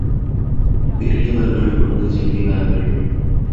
பெரியவர்களும் அங்குச் செல்கிறார்கள்.